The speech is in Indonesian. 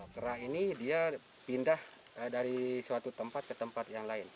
kerah ini dia pindah dari suatu tempat ke tempat yang lain